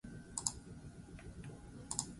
Partida zeharo aldatu zen.